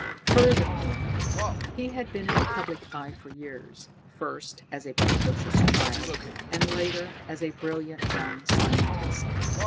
Furthermore, he had been in the public eye for years, first as a precocious child and, later, as a brilliant young scientist.